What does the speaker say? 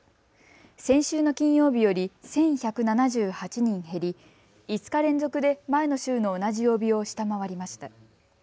先週の金曜日より１１７８人減り５日連続で前の週の同じ曜日を下回りました。